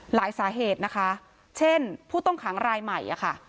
หลายสาเหตุนะคะเช่นผู้ต้องขังรายใหม่ค่ะ